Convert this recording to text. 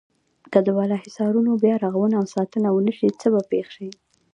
که د بالا حصارونو بیا رغونه او ساتنه ونشي څه به پېښ شي.